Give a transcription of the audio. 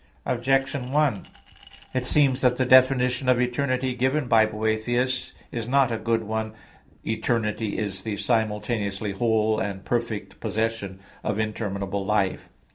Objection 1: It seems that the definition of eternity given by Boethius (De Consol. v) is not a good one: "Eternity is the simultaneously whole and perfect possession of interminable life."